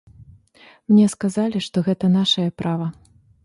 Мне сказалі, што гэта нашае права.